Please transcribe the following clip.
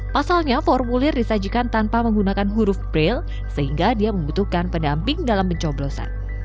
pasalnya formulir disajikan tanpa menggunakan huruf braille sehingga dia membutuhkan pendamping dalam pencoblosan